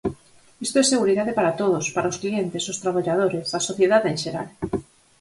Isto é seguridade para todos, para os clientes, os traballadores, a sociedade en xeral.